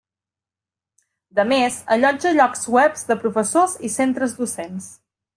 De més, allotja llocs web de professors i centres docents.